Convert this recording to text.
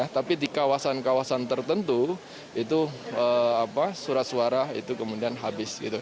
tapi di kawasan kawasan tertentu itu surat suara itu kemudian habis